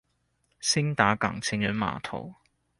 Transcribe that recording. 興達港情人碼頭